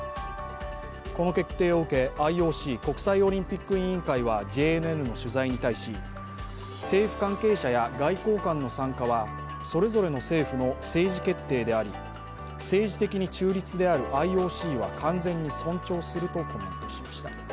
この決定を受け、ＩＯＣ＝国際オリンピック委員会はＪＮＮの取材に対し、政府関係者や外交官の参加はそれぞれの政府の政治決定であり、政治的に中立であるＩＯＣは完全に尊重するとコメントしました。